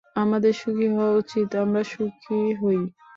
আমাদের সুখী হওয়া উচিত, আমরা সুখী হই।